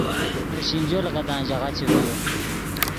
نے سینجو لیغدان ژاغہ چے ڤیو